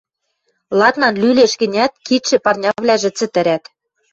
Ладнан лӱлеш гӹнят, кидшӹ, парнявлӓжӹ цӹтӹрӓт.